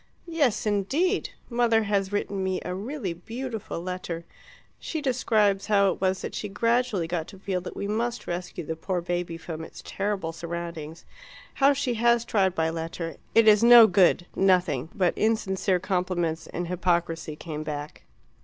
"Yes, indeed! Mother has written me a really beautiful letter. She describes how it was that she gradually got to feel that we must rescue the poor baby from its terrible surroundings, how she has tried by letter, and it is no good nothing but insincere compliments and hypocrisy came back.